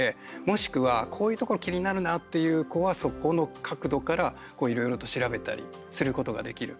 もしくはこういうところ気になるなっていう子は、そこの角度からいろいろと調べたりすることができる。